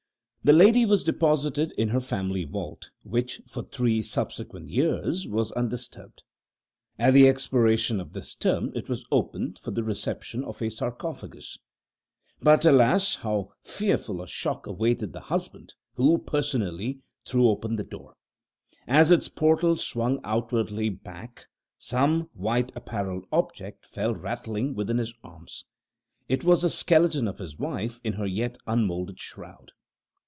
The lady was deposited in her family vault, which, for three subsequent years, was undisturbed. At the expiration of this term it was opened for the reception of a sarcophagus; but, alas! how fearful a shock awaited the husband, who, personally, threw open the door! As its portals swung outwardly back, some white apparelled object fell rattling within his arms. It was the skeleton of his wife in her yet unmoulded shroud.